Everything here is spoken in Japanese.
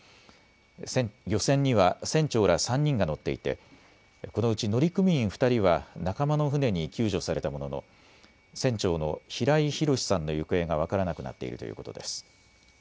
漁船には船長ら３人が乗っていてこのうち乗組員２人は仲間の船に救助されたものの船長の平井博さんの行方が分からなくなっているということです。